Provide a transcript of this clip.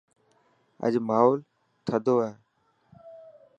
اڄ ماحول نندو هي